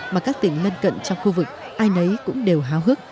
mà các tỉnh lân cận trong khu vực ai nấy cũng đều háo hức